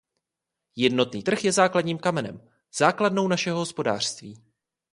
Jednotný trh je základním kamenem, základnou našeho hospodářství.